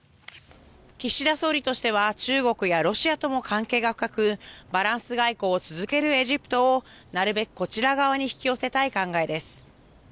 岸田総理としては中国やロシアとも関係が深くバランス外交を続けるエジプトをなるべくこちら側に引き寄せたい考えです。